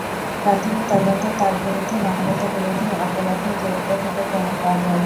প্রাথমিক তদন্তে তাঁর বিরুদ্ধে মানবতাবিরোধী অপরাধে জড়িত থাকার প্রমাণ পাওয়া গেছে।